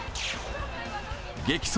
激走！